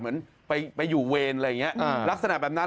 เหมือนไปอยู่เวรอะไรอย่างนี้ลักษณะแบบนั้น